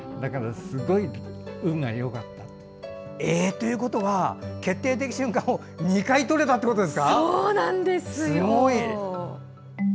ということは決定的瞬間を２回撮れたってことですか。